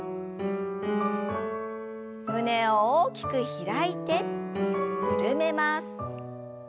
胸を大きく開いて緩めます。